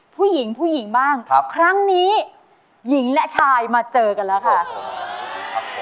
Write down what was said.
ผู้หญิงผู้หญิงบ้างครับครั้งนี้หญิงและชายมาเจอกันแล้วค่ะ